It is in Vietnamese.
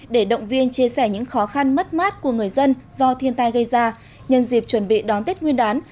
để động viên chia sẻ những khó khăn mất mát của người dân do thiên tai gây ra nhân dịp chuẩn bị đón tết nguyên đán